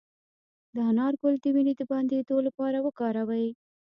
د انار ګل د وینې د بندیدو لپاره وکاروئ